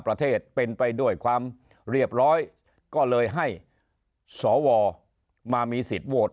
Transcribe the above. ประเทศเป็นไปด้วยความเรียบร้อยก็เลยให้สวมามีสิทธิ์โหวต